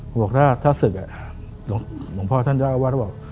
ผมบอกถ้าศึกหลวงพ่อท่านเจ้าอาวาสบอก